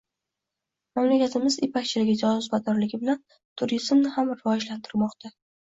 Mamlakatimiz ipakchiligi jozibadorligi bilan turizmni ham rivojlantirmoqda